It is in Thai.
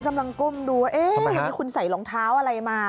กำลังก้มดูว่าเอ๊ะอย่างนี้คุณใส่รองเท้าอะไรมา